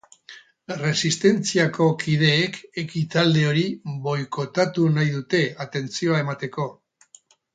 Erresistentziako kideek ekitaldi hori boikotatu nahi dute atentzioa emateko.